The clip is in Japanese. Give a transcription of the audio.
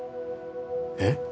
えっ？